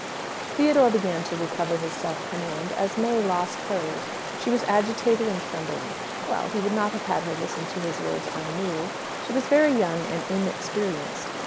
Theodore began to recover his self command as May lost hers. She was agitated and trembling. Well, he would not have had her listen to his words unmoved. She was very young and inexperienced.